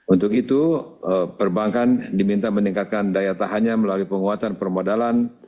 untuk itu perbankan diminta meningkatkan daya tahannya melalui penguatan permodalan